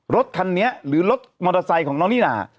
รถคันนี้หรือรถมอเตอร์ไซค์ของน้องนิน่า